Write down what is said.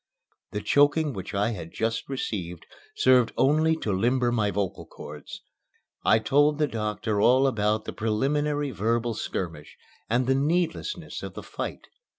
The choking which I had just received served only to limber my vocal cords. I told the doctor all about the preliminary verbal skirmish and the needlessness of the fight.